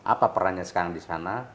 apa perannya sekarang disana